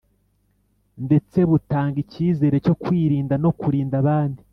ndetse butanga icyizere cyo kwirinda no kurinda abandi